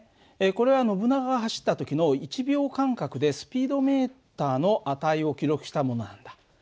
これはノブナガが走った時の１秒間隔でスピードメーターの値を記録したものなんだ。